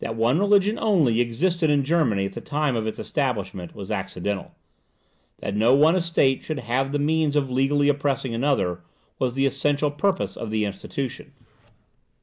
That one religion only existed in Germany at the time of its establishment, was accidental; that no one estate should have the means of legally oppressing another, was the essential purpose of the institution.